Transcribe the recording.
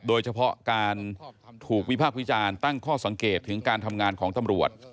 โดยเฉพาะการถูกวิพากษ์วิจารณ์ตั้งข้อสังเกตถึงการทำงานของตำรวจ